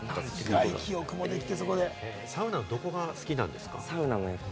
サウナのどこが好きですか？